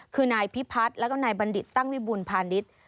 คือนายพิพัฒน์แล้วก็นายบัณฑิตตั้งวิบูรพาณิชย์